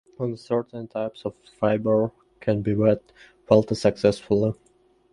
Only certain types of fiber can be wet felted successfully.